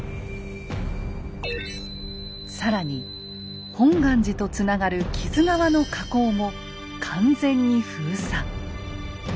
更に本願寺とつながる木津川の河口も完全に封鎖。